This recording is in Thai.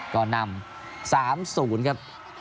ก็นำ๓๐ครับ